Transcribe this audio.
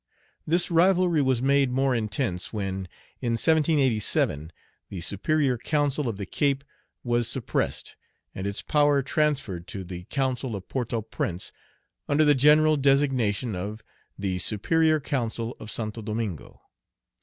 This rivalry was made more intense when, in 1787, the Superior Council of the Cape was suppressed, and its power transferred to the Council of Port au Prince, under the general designation of "the Superior Council of St. Domingo."